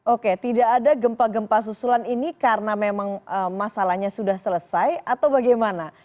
oke tidak ada gempa gempa susulan ini karena memang masalahnya sudah selesai atau bagaimana